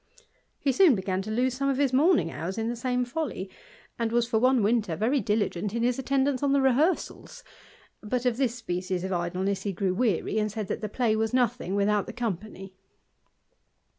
He soon began to lose some of his morning hours in same folly, and was for one winter very diligent in TJTE IDLER, z^l attendance on the rehearsals ; but of this species of idleness ^^ grew weary, and said that the play was nothing without ^6 company.